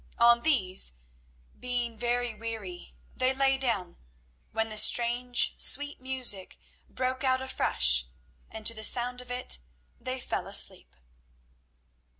On these, being very weary, they lay down, when the strange, sweet music broke out afresh, and to the sound of it they fell asleep.